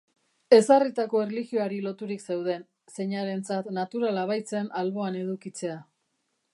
Ezarritako erlijioari loturik zeuden, zeinarentzat naturala baitzen alboan edukitzea.